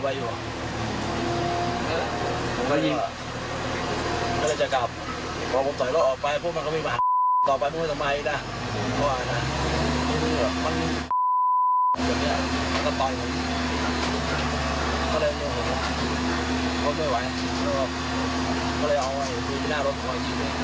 แล้วก็ก็เลยออกไว้มีหน้ารถของเขาอีกชีวิต